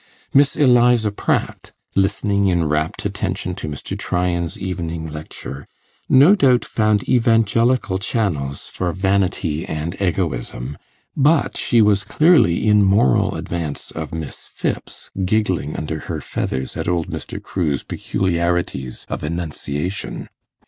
Miss Eliza Pratt, listening in rapt attention to Mr. Tryan's evening lecture, no doubt found evangelical channels for vanity and egoism; but she was clearly in moral advance of Miss Phipps giggling under her feathers at old Mr. Crewe's peculiarities of enunciation.